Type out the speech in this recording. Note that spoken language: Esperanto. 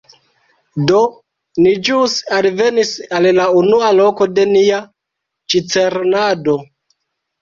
Do, ni ĵus alvenis al la unua loko de nia ĉiceronado